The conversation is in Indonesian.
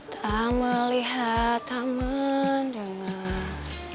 tak melihat tak mendengar